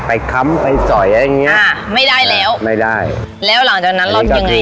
ค้ำไปสอยอะไรอย่างเงี้ยอ่าไม่ได้แล้วไม่ได้แล้วหลังจากนั้นเราทำยังไง